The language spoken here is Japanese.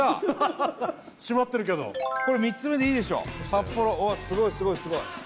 サッポロすごいすごいすごい。